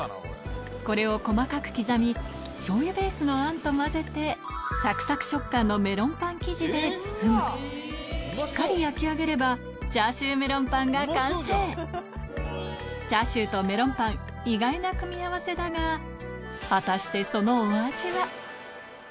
これを細かく刻みしょうゆベースのあんと混ぜてサクサク食感のメロンパン生地で包むしっかり焼き上げればチャーシューメロンパンが完成チャーシューとメロンパン意外な組み合わせだが果たしてそのお味は？